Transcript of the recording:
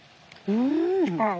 うん。